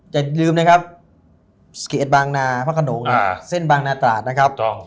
ใจที่ลืมเนี่ยครับเกตบางนาพระขนงเนี่ยเส้นบางนาตลาดนะครับ